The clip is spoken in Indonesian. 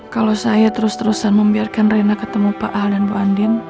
kalau saya terus terusan membiarkan rena ketemu pak al dan bu andin